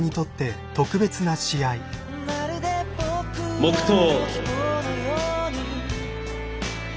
「黙とう」。